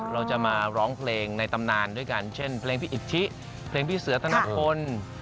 เราจะมาร้องเพลงในตำนานด้วยกันเช่นเพลงพี่อิทธิเพลงพี่เสือธนพล